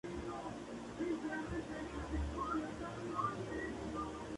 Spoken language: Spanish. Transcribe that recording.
Algunos expertos han descrito el tema sobre tiroteos escolares como del tipo "pánico moral".